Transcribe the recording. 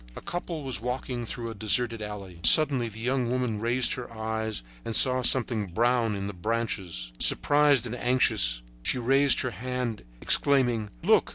A couple was walking through a deserted alley. Suddenly the young woman raised her eyes and saw something brown in the branches. Surprised and anxious, she raised her hand, exclaiming: "Look!